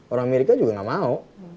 orang amerika juga gak mau